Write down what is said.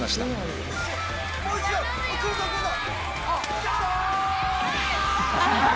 もう一度、くるぞ、くるぞ。